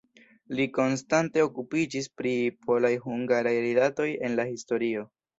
Li konstante okupiĝis pri polaj-hungaraj rilatoj en la historio.